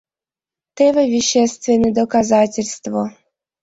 Теве вещественный доказательство!